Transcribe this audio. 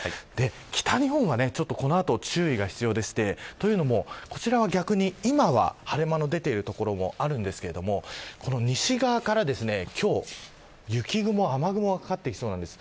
北日本は、この後、注意が必要でこちらは逆に今は晴れ間の出ている所もありますが西側から今日、雪雲や雨雲がかかってきそうなんです。